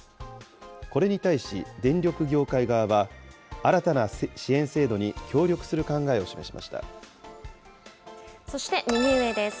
これに対し電力業界側は、新たな支援制度に協力する考えを示しまそして右上です。